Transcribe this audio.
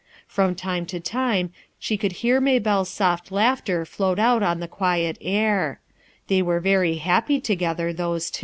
From time to time she could hear May belle's soft laughter float out on the quiet air; they were very happy together, those two.